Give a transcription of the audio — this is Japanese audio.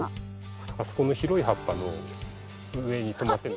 あそこの広い葉っぱの上にとまってるの。